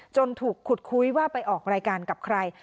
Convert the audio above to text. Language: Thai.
ถูกขุดคุยว่าไปออกรายการกับใคร